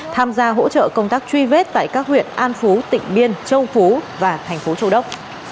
tham gia hỗ trợ công tác truy vết tại các huyện an phú tịnh biên châu phú và tp châu đốc